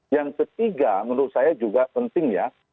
yang ketiga menurut saya juga penting ya